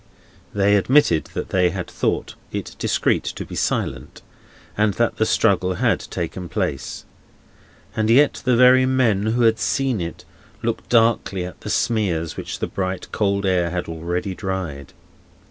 They admitted that they had thought it discreet to be silent, and that the struggle had taken place. And yet the very men who had seen it looked darkly at the smears which the bright cold air had already dried.